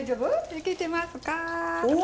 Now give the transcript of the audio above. いけてますか？